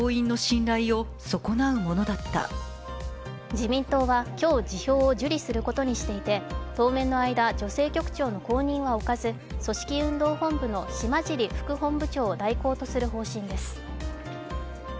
自民党は今日、辞表を受理することにしていて当面の間、女性局長の後任は置かず、組織運動本部の島尻副本部長を代行とする方針です。